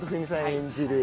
演じる